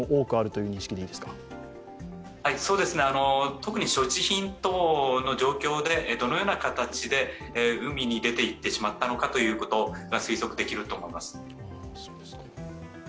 そうです、特に所持品等の状況でどのような形で海に出ていってしまったのかが推測できると思います。